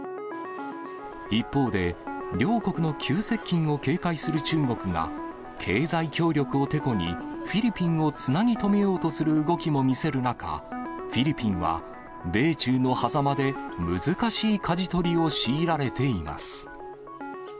一方で、両国の急接近を警戒する中国が、経済協力をてこに、フィリピンをつなぎとめようとする動きも見せる中、フィリピンは米中のはざまで難しいかじ取りを強いられています。